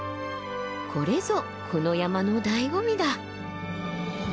これぞこの山のだいご味だ。